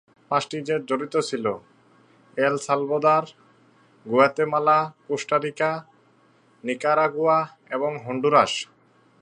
পাঁচটি দেশ জড়িত ছিল: El Salvador, Guatemala, Costa Rica, Nicaragua, এবং হন্ডুরাস।